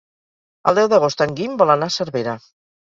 El deu d'agost en Guim vol anar a Cervera.